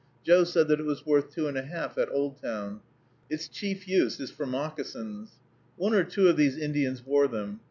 Joe said that it was worth two and a half at Oldtown. Its chief use is for moccasins. One or two of these Indians wore them.